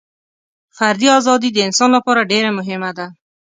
فردي ازادي د انسان لپاره ډېره مهمه ده.